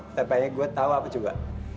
tapi gue tau apa juga